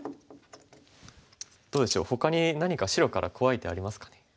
どうでしょうほかに何か白から怖い手ありますかね。